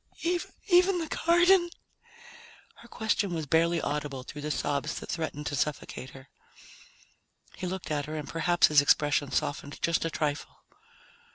"Even the garden?" Her question was barely audible through the sobs that threatened to suffocate her. He looked at her and perhaps his expression softened just a trifle.